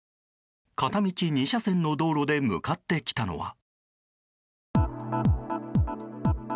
片道２車線の道路で向かってきたのは。